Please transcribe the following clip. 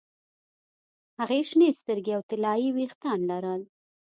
هغې شنې سترګې او طلايي ویښتان لرل